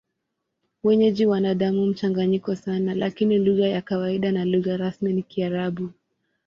Wenyeji wana damu mchanganyiko sana, lakini lugha ya kawaida na lugha rasmi ni Kiarabu.